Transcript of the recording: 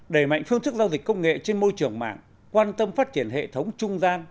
đẩy mạnh phương thức giao dịch công nghệ trên môi trường mạng quan tâm phát triển hệ thống trung gian